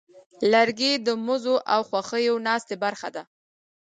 لرګی د مزو او خوښیو ناستې برخه ده.